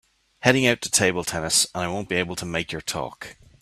Heading out to table tennis and I won’t be able to make your talk.